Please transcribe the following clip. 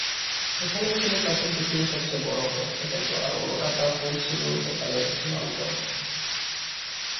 এখানেই ছিল প্রাচীন পৃথিবীর সবচেয়ে বড় ব্যবসাকেন্দ্র, আর অনুরাধাপুর ছিল সেকালের লণ্ডন।